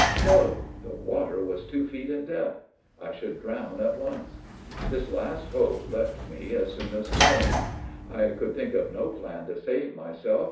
No! The water was two feet in depth. I should drown at once. This last hope left me as soon as formed. I could think of no plan to save myself.